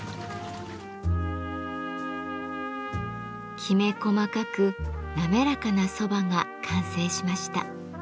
きめ細かく滑らかな蕎麦が完成しました。